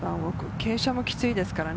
傾斜もきついですからね。